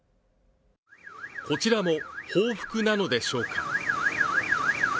こちらも報復なのでしょうか。